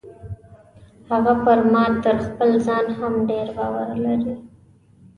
هغه پر ما تر خپل ځان هم ډیر باور لري.